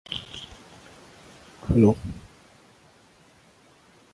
Key algorithmic breakthroughs have enabled recent advances.